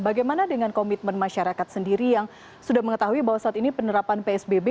bagaimana dengan komitmen masyarakat sendiri yang sudah mengetahui bahwa saat ini penerapan psbb